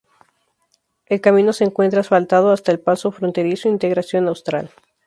El camino se encuentra asfaltado hasta el Paso Fronterizo Integración Austral.